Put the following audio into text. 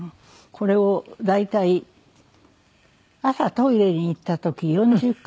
これを大体朝トイレに行った時４０回から５０回。